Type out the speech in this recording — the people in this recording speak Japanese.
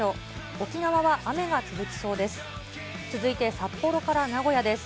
沖縄は雨が続きそうです。